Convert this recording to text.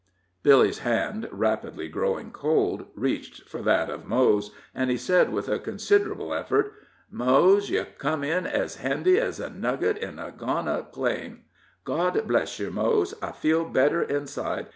Billy's hand, rapidly growing cold, reached for that of Mose, and he said, with considerable effort: "Mose, yer came in ez handy as a nugget in a gone up claim. God bless yer, Mose. I feel better inside.